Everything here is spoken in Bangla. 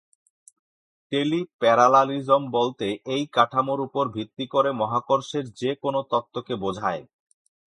টেলিপ্যারালালিজম বলতে এই কাঠামোর উপর ভিত্তি করে মহাকর্ষের যে কোন তত্ত্বকে বোঝায়।